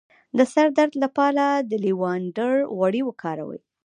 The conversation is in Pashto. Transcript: د سر درد لپاره د لیوانډر غوړي وکاروئ